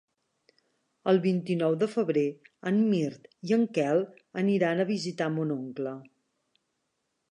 El vint-i-nou de febrer en Mirt i en Quel aniran a visitar mon oncle.